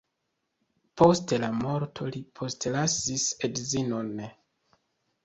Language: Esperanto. Post la morto li postlasis edzinon.